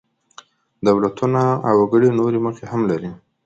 دولتونه او وګړي نورې موخې هم لري.